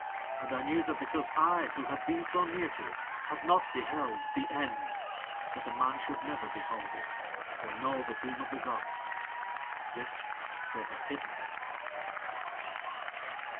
"And I knew that because I who had been so near to it had not beheld THE END that a man should never behold it or know the doom of the gods. This They have hidden."